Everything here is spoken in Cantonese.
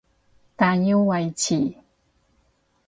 但要維持